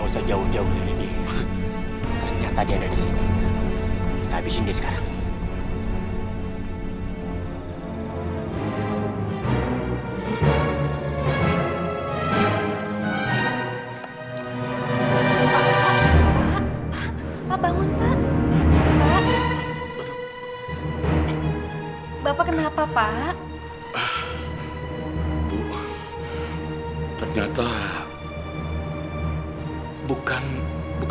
sayang tidak bersalah pak